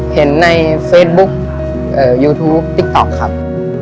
เห็นในเฟซบุ๊คยูทูปติ๊กต๊อกครับ